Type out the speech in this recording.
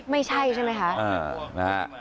ไม่ใช่ใช่ไหมคะ